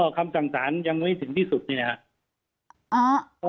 คำสั่งสารยังไม่ถึงที่สุดนี่นะครับ